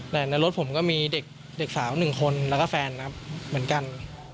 แต่ในรถผมก็มีเด็กสาว๑คนแล้วก็แฟนครับเหมือนกัน